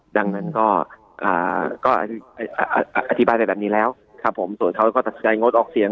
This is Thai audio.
ดังนั้นก็อธิบายได้แบบนี้แล้วส่วนเท่าก็ตัดสกายงดออกเสียง